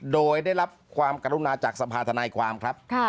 โดยได้รับความกรุณาจากสภาธนายความครับ